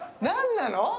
何なの？